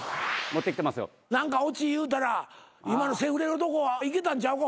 何かオチ言うたら今のセフレのとこいけたんちゃうか？